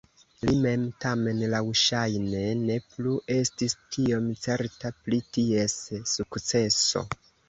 Li mem tamen laŭŝajne ne plu estis tiom certa pri ties sukceso.